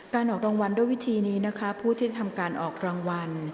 ออกรางวัลด้วยวิธีนี้นะคะผู้ที่ทำการออกรางวัล